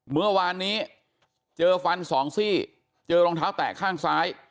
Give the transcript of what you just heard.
เมื่อวานนี้เจอฟันสองซี่เจอรองเท้าแตะข้างซ้าย